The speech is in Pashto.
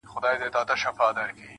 د مرور روح د پخلا وجود کانې دي ته.